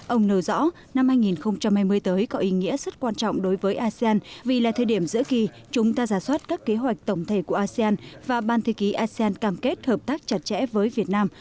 ông nở rõ năm hai nghìn hai mươi tới có ý nghĩa rất quan trọng đối với asean vì là thời điểm giữa kỳ chúng ta giả soát các kế hoạch tổng thể của asean và ban thư ký asean cam kết hợp tác chặt chẽ với việt nam